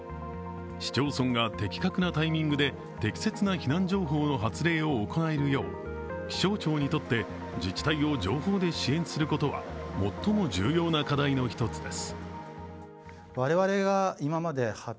市町村が的確なタイミングで適切な避難情報の発令を行えるよう気象庁にとって自治体を情報で支援することは最も重要な課題の一つです。